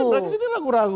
iya di sini ragu ragu